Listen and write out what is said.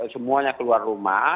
semuanya keluar rumah